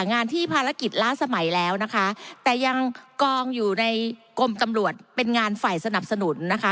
งานที่ภารกิจล้าสมัยแล้วนะคะแต่ยังกองอยู่ในกรมตำรวจเป็นงานฝ่ายสนับสนุนนะคะ